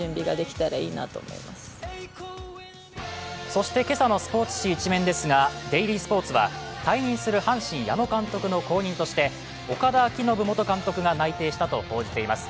そして今朝のスポーツ紙１面ですが、デイリースポーツは退任する阪神・矢野監督の後任として岡田彰布元監督が内定したと報じています。